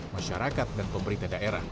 masyarakat dan pemerintah daerah